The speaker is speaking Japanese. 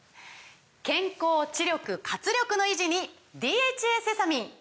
健康・知力・活力の維持に「ＤＨＡセサミン」！